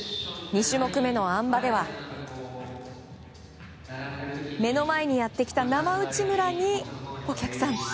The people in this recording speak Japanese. ２種目めのあん馬では目の前にやってきた生内村にお客さん